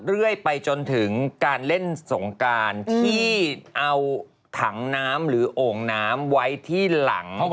เอาถังน้ำหรือโอ่งน้ำไว้ที่หลังกับประ